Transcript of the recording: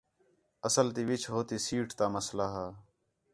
اصل تی وِچ ہو تی سیٹ تا مسئلہ ہا